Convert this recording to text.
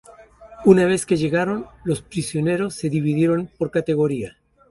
Una vez que llegaron, los prisioneros se dividieron por categoría.